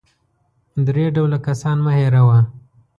درې ډوله کسان مه هېروه .